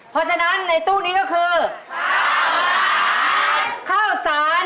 ป้าแจงจะได้โบนัสเท่าไร